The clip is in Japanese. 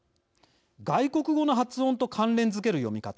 外国語の発音と関連づける読み方。